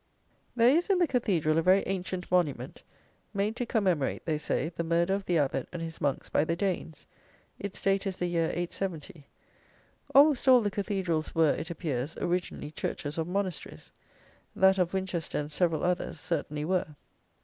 There is in the cathedral a very ancient monument, made to commemorate, they say, the murder of the abbot and his monks by the Danes. Its date is the year 870. Almost all the cathedrals, were, it appears, originally churches of monasteries. That of Winchester and several others, certainly were.